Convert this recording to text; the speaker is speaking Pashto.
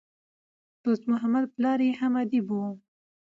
دوست محمد پلار ئې هم ادیب وو.